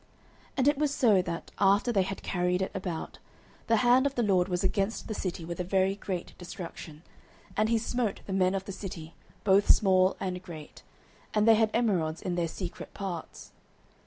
09:005:009 And it was so, that, after they had carried it about, the hand of the LORD was against the city with a very great destruction: and he smote the men of the city, both small and great, and they had emerods in their secret parts.